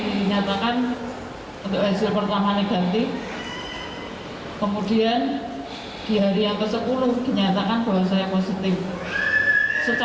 karena dengan keceriaan dan ketenangan dan berhati yang suka cita